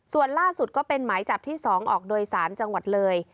ส่วนล่าสุดก็เป็นหมายจับที่๒ออกโดยสารจังหวัดเลย